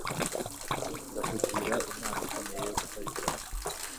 ndakugira inama ikomeye yo kutabikora